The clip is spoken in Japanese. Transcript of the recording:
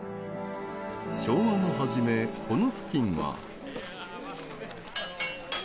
昭和の初め、この付近は。